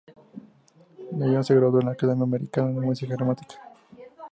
Dillon se graduó de la Academia Americana de Música y Dramática.